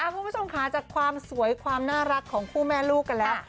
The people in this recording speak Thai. คุณผู้ชมค่ะจากความสวยความน่ารักของคู่แม่ลูกกันแล้ว